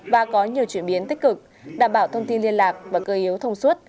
và có nhiều chuyển biến tích cực đảm bảo thông tin liên lạc và cơ yếu thông suốt